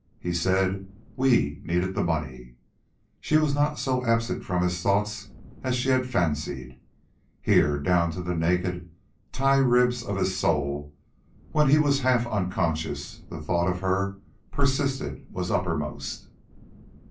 He said "WE needed the money." She was not so absent from his thoughts as she had fancied. Here, down to the naked tie ribs of his soul, when he was half unconscious, the thought of her persisted, was uppermost.